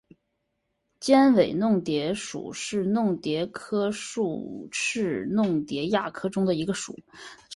尖尾弄蝶属是弄蝶科竖翅弄蝶亚科中的一个属。